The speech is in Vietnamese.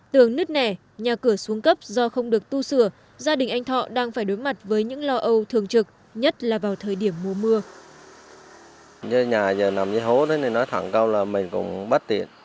tường nứt nẻ nhà cửa xuống cấp do không được tu sửa gia đình anh thọ đang phải đối mặt với những lo âu thường trực nhất là vào thời điểm mùa mưa